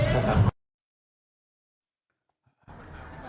ครับครับ